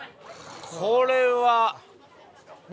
これは。何？